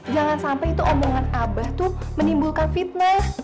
jangan sampai itu omongan abah tuh menimbulkan fitnah